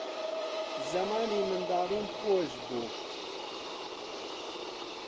زەمانی منداڵیم خۆش بوو